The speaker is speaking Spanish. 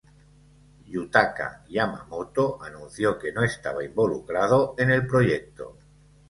Yutaka Yamamoto anunció que no estaba involucrado en el proyecto.